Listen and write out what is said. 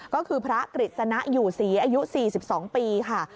ก็คือพระกฤษณะอยู่ศรีอายุ๔๒ปีค่ะ